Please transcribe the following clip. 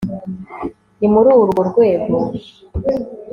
ni muri urwo rwego